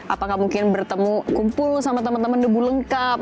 apakah mungkin bertemu kumpul sama teman teman debu lengkap